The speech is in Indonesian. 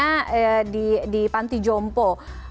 menitipkan orang tuanya di pantijompo